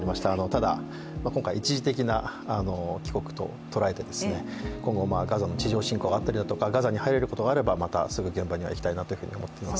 ただ今回、一時的な帰国と捉えて今後、ガザの地上侵攻があったりとかガザには入れることがあれば、また、すぐに現場には行きたいなと思います。